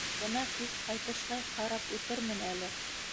Бына кис, ҡайтышлай, ҡарап үтермен әле.